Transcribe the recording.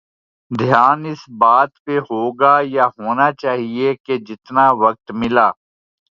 دھیان اس بات پہ ہو گا یا ہونا چاہیے کہ جتنا وقت ملا ہے۔